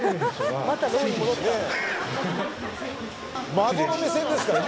孫の目線ですからね。